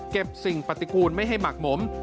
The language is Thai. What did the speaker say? สิ่งปฏิกูลไม่ให้หมักหมม